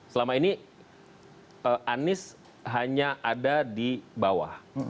selama ini anies hanya ada di bawah